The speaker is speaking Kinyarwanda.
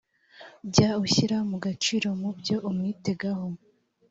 jya ushyira mu gaciro mu byo umwitegaho